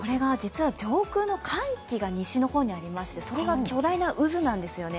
実は上空の寒気が西の方にありまして、それが巨大な渦なんですよね。